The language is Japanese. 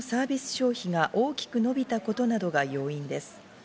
消費が大きく伸びたことなどが要因です。